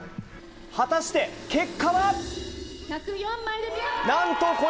果たして、結果は。